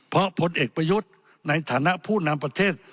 เพราะผลเอกประยุทธ์ในฐานะผู้นำประเทศ